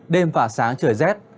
đêm và sáng trời rét